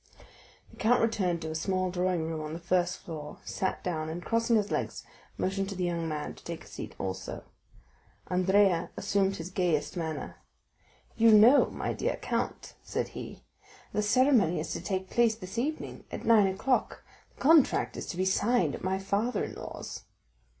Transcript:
The count returned to a small drawing room on the first floor, sat down, and crossing his legs motioned to the young man to take a seat also. Andrea assumed his gayest manner. "You know, my dear count," said he, "the ceremony is to take place this evening. At nine o'clock the contract is to be signed at my father in law's."